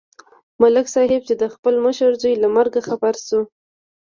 ملک صاحب چې د خپل مشر زوی له مرګه خبر شو